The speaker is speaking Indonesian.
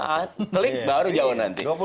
klik baru jauh nanti